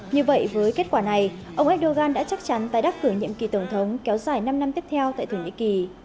như vậy với kết quả này ông erdogan đã chắc chắn tái đắc cử nhiệm kỳ tổng thống kéo dài năm năm tiếp theo tại thổ nhĩ kỳ